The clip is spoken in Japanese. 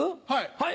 はい。